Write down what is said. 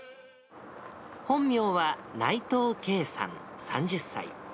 本名は内藤慶さん３０歳。